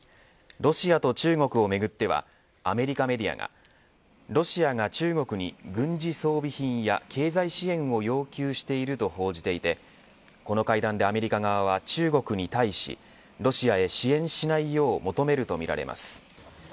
ロシアと中国をめぐってはアメリカメディアがロシアが中国に軍事装備品や経済支援を要求していると報じていてこの会談でアメリカ側は中国に対しロシアへ支援しないよう求めるとみられます。